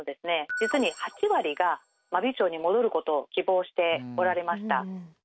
実に８割が真備町に戻ることを希望しておられました。